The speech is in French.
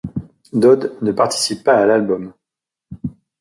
Dodd ne participe pas à l'album.